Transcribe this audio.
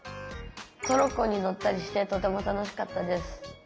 トロッコに乗ったりしてとても楽しかったです。